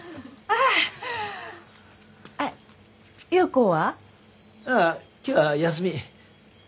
ああ今日は休み。